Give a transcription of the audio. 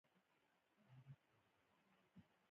کلتور د افغانستان د اقتصادي منابعو ارزښت زیاتوي.